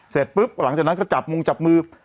เสร็จปุ๊บหลังจากนั้นก็จับมุงจับมือ